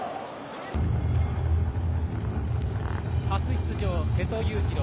初出場、瀬戸勇次郎。